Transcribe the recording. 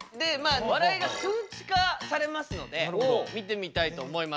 笑いが数値化されますので見てみたいと思います。